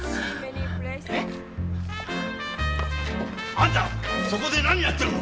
あんたそこで何やってるの！